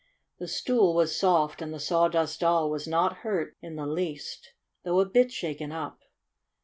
The stool was soft, and the Sawdust Doll was not hurt in the least, though a bit shaken up.